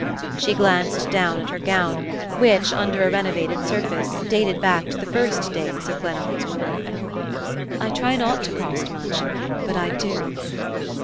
She glanced down at her gown which, under a renovated surface, dated back to the first days of Glennard's wooing. "I try not to cost much but I do."